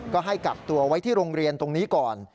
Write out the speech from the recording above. ก็ให้กักตัวไว้ที่โรงเรียนตรงนี้ก่อน